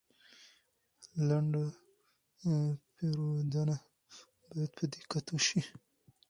لنډه پیرودنه باید په دقت وشي.